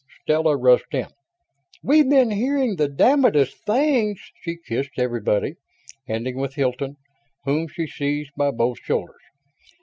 Stella rushed in. "We've been hearing the damnedest things!" She kissed everybody, ending with Hilton, whom she seized by both shoulders.